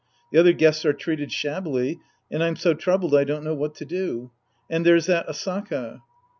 The other guests are treated shabbily and I'm so troubled I don't know what to do. And there's that Asaka."